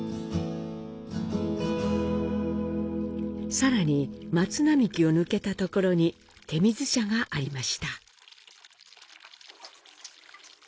さらに松並木を抜けたところに手水舎がありました。